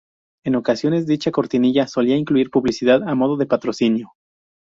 En ocasiones, dicha cortinilla solía incluir publicidad, a modo de patrocinio.